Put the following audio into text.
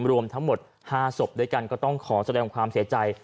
รวมทั้งหมด๕ศพด้วยกันก็ต้องขอแสดงความเสียใจ